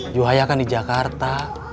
juhaya kan di jakarta